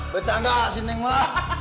bercanda si neng mbak